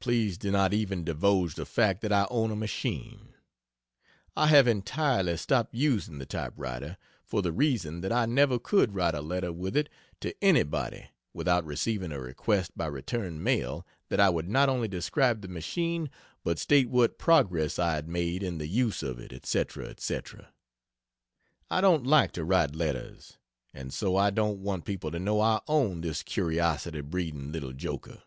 Please do not even divulge the fact that I own a machine. I have entirely stopped using the typewriter, for the reason that I never could write a letter with it to anybody without receiving a request by return mail that I would not only describe the machine, but state what progress I had made in the use of it, etc., etc. I don't like to write letters, and so I don't want people to know I own this curiosity breeding little joker.